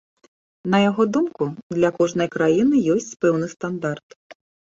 На яго думку, для кожнай краіны ёсць пэўны стандарт.